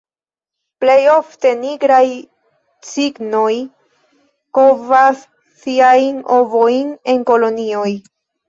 Plej ofte Nigraj cignoj kovas siajn ovojn en kolonioj.